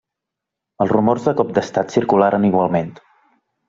Els rumors de cop d'Estat circularen igualment.